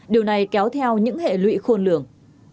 điều này kéo theo những hệ lụy khôn lường